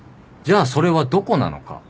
じゃあそれはどこなのか？